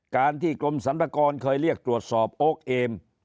การที่กรมสรรพากรเคยเรียกตรวจสอบโอ๊คเอม